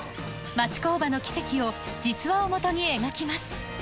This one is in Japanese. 町工場のキセキを実話をもとに描きます